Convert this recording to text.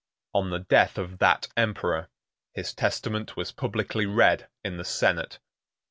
3a On the death of that emperor, his testament was publicly read in the senate.